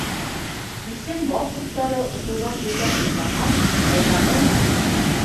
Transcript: Кисен бал ҡорттары осоуҙан иртә туҡтаһа, алдағы